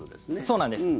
そうなんです。